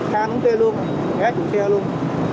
khá đúng tên luôn khá đúng tên luôn